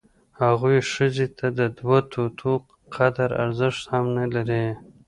هغوی ښځې ته د دوه توتو قدر ارزښت هم نه لري.